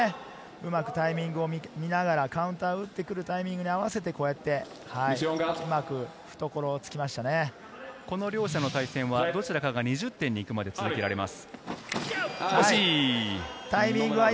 うまくタイミングを見ながらカウンターを打ってくるタイミングに合わせてこうやって、うまく懐をつきましたね。両者の対戦はどちらかが２０点行くまで続けられます。